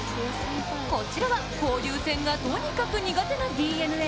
こちらは交流戦がとにかく苦手なＤｅＮＡ。